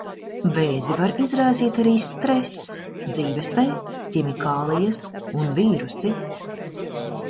Vēzi var izraisīt arī stress, dzīvesveids, ķimikālijas un vīrusi.